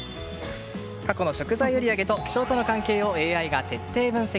過去の食材売り上げと気候との関係をＡＩが徹底分析。